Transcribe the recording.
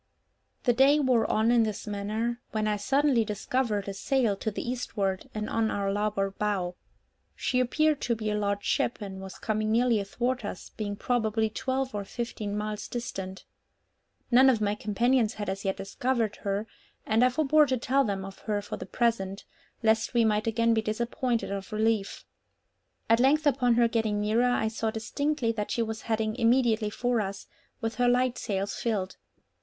The day wore on in this manner, when I suddenly discovered a sail to the eastward, and on our larboard bow. She appeared to be a large ship, and was coming nearly athwart us, being probably twelve or fifteen miles distant. None of my companions had as yet discovered her, and I forbore to tell them of her for the present, lest we might again be disappointed of relief. At length upon her getting nearer, I saw distinctly that she was heading immediately for us, with her light sails filled.